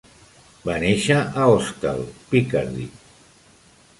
Va néixer a Ostel, Picardy.